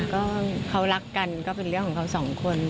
ก็เขารักกันก็เป็นเรื่องของเขาสองคน